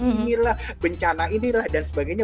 inilah bencana inilah dan sebagainya